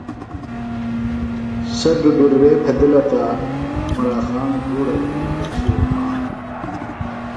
سےۡ ڈُدُروے بھیدِلہ تہ عُمرا خان گھوڑہ جھلیۡ بھیشیۡ اُکھاندوۡ